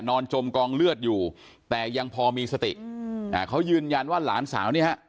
จมกองเลือดอยู่แต่ยังพอมีสติอืมอ่าเขายืนยันว่าหลานสาวเนี่ยฮะ